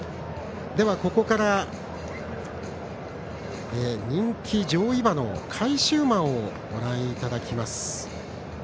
では、ここから人気上位馬の返し馬をご覧いただきます。